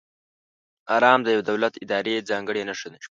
آرم د یو دولت، ادارې ځانګړې نښه ده.